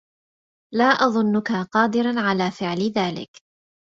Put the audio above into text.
لا أظنك قادرا على فعل ذلك.